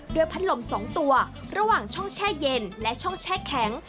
พัดลม๒ตัวระหว่างช่องแช่เย็นและช่องแช่แข็ง